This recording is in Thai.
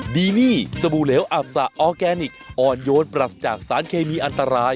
ดีนี่สบู่เหลวอับสะออร์แกนิคอ่อนโยนปรัสจากสารเคมีอันตราย